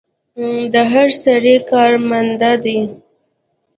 د هر سړي کار ماندۀ دی